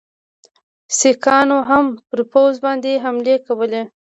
سیکهانو هم پر پوځ باندي حملې کولې.